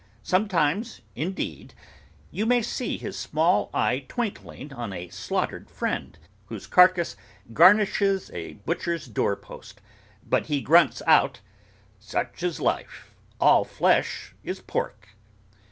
Sometimes, indeed, you may see his small eye twinkling on a slaughtered friend, whose carcase garnishes a butcher's door post, but he grunts out 'Such is life: all flesh is pork!